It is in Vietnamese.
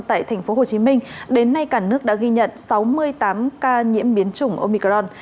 tại thành phố hồ chí minh đến nay cả nước đã ghi nhận sáu mươi tám ca nhiễm biến chủng omicron